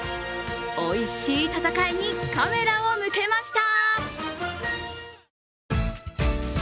おいしい戦いにカメラを向けました。